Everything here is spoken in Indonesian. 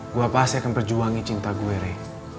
gue pasti akan berjuangin cinta gue rey